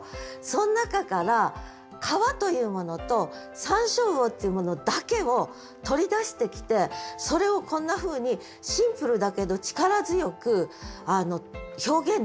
その中から川というものと山椒魚っていうものだけを取り出してきてそれをこんなふうにシンプルだけど力強く表現できる。